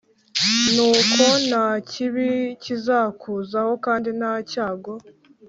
Nuko nta kibi kizakuzaho Kandi nta cyago